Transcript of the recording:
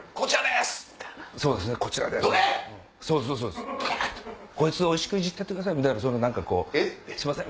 すいません！